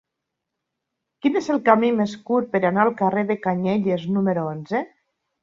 Quin és el camí més curt per anar al carrer de Canyelles número onze?